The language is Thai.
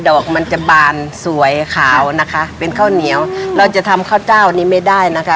อกมันจะบานสวยขาวนะคะเป็นข้าวเหนียวเราจะทำข้าวเจ้านี้ไม่ได้นะคะ